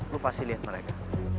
lu pasti liat mereka